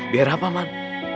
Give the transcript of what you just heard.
biar apa man